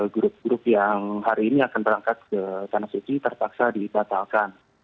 grup grup yang hari ini akan berangkat ke tanah suci terpaksa dibatalkan